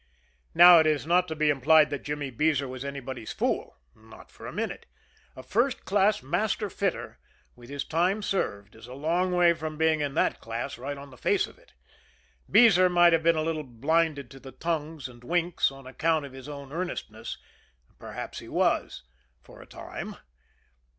Now it is not to be implied that Jimmy Beezer was anybody's fool not for a minute a first class master fitter with his time served is a long way from being in that class right on the face of it. Beezer might have been a little blinded to the tongues and winks on account of his own earnestness; perhaps he was for a time.